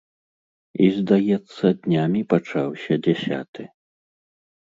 І, здаецца, днямі пачаўся дзясяты.